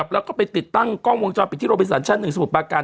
แล้วก็ไปติดตั้งกล้องวงจรปิดที่โรบินสันชั้น๑สมุทรปาการ